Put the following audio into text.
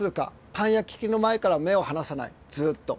パン焼き器の前から目を離さないずっと。